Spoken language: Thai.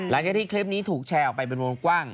และที่คลิปนี้ถูกแชร์ออกไปเป็นโมงกว้าง